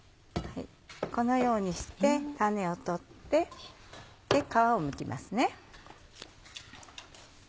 このようにして種を取って皮をむきますね。